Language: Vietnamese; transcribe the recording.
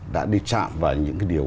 đã đi chạm vào những điều